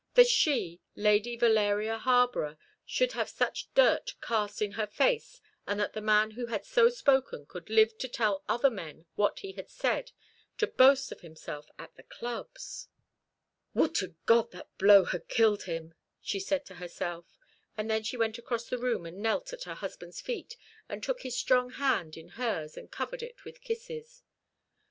That she, Lady Valeria Harborough, should have such dirt cast in her face, and that the man who had so spoken could live to tell other men what he had said, to boast of himself at the clubs! "Would to God that blow had killed him!" she said to herself; and then she went across the room and knelt at her husband's feet, and took his strong hand in hers, and covered it with kisses.